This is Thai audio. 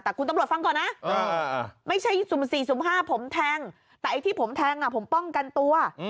แต่คุณตำรวจฟังก่อนนะไม่ใช่สุ่ม๔สุ่ม๕ผมแทงแต่ไอ้ที่ผมแทงผมป้องกันตัว